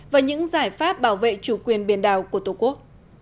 và những giải pháp bảo vệ chủ quyền biển đảo của tổ quốc